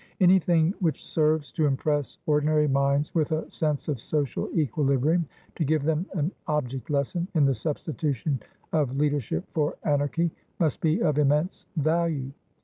Anything which serves to impress ordinary minds with a sense of social equilibriumto give them an object lesson in the substitution of leadership for anarchymust be of immense value.